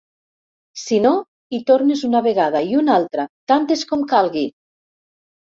Si no, hi tornes una vegada i una altra, tantes com calgui.